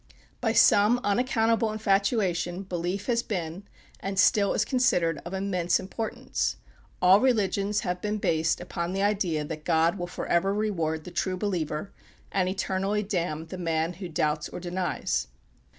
By some unaccountable infatuation belief has been, and still is considered of immense importance. All religions have been based upon the idea that God will forever reward the true believer, and eternally damn the man who doubts or denies.